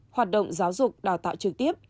hoạt động giáo dục đào tạo trực tiếp